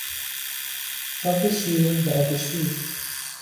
آب شیرین و آب شور